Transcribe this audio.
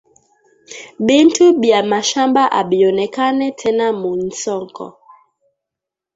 Bintu bia mashamba abionekane tena mu nsoko